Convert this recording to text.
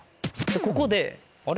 ここであれ？